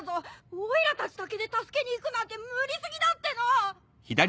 オイラたちだけで助けに行くなんて無理過ぎだっての！